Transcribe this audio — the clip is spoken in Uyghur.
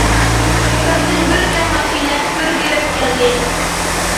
توساتتىن بىر چوڭ ماشىنا گۈركىرەپ كەلدى.